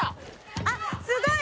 あっすごい。